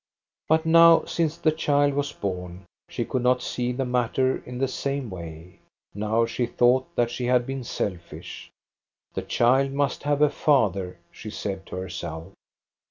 But now, since the child was born, she could not see the matter in the same way. Now she thought that she had been selfish. "The child must have a father," she said to herself.